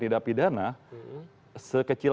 tindak pidana sekecil